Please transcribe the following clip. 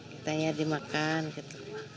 kitanya dimakan gitu